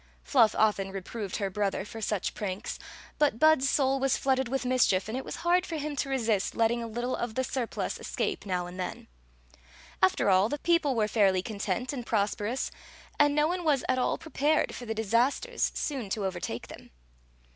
Fluff often re proved her brother for such pranks, but Bud s soul was flooded with mischief, and it was hard for him to resist letting a little of the surplus escape now and then. After all, the people were fairly content and pros perous, and no one was at all prepared for the disas ters soon to overtake them.